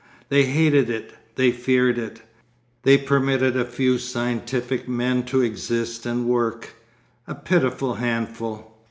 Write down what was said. They hated it. They feared it. They permitted a few scientific men to exist and work—a pitiful handful....